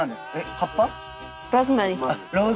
葉っぱ？